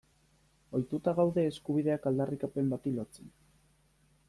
Ohituta gaude eskubideak aldarrikapen bati lotzen.